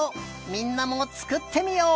みんなもつくってみよう！